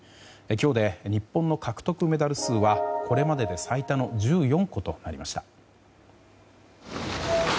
今日で日本の獲得メダル数はこれまでで最多の１４個となりました。